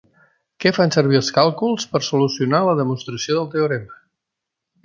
Què fan servir els càlculs per solucionar la demostració del teorema?